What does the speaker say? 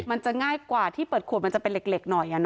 มันจะง่ายกว่าที่เปิดขวดมันจะเป็นเหล็กหน่อย